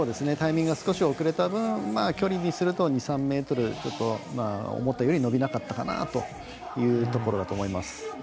タイミングが少し遅れた分距離にすると２３ｍ思ったより伸びなかったなというところだと思います。